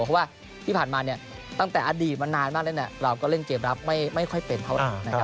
เพราะว่าที่ผ่านมาตั้งแต่อดีตมานานมากแล้วเราก็เล่นเกมรับไม่ค่อยเป็นเท่าไหร่นะครับ